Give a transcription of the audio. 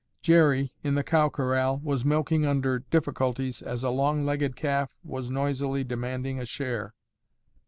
Jerry—in the cow corral—was milking under difficulties as a long legged calf was noisily demanding a share.